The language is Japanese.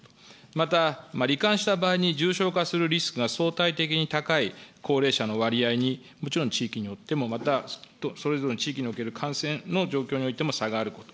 また、り患した場合に重症化するリスクが相対的に高い高齢者の割合に、もちろん地域によっても、またそれぞれの地域における感染の状況においても差があると。